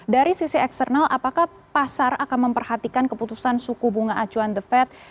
dari sisi eksternal apakah pasar akan memperhatikan keputusan suku bunga acuan the fed